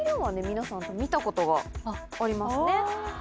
皆さん見たことがありますね。